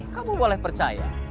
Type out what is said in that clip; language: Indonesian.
kamu boleh percaya